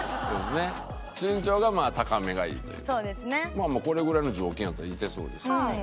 まあこれぐらいの条件やったらいてそうですけどね。